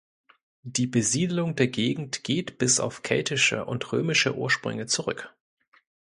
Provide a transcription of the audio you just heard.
Die Besiedelung der Gegend geht bis auf keltische und römische Ursprünge zurück.